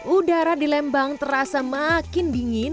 udara di lembang terasa makin dingin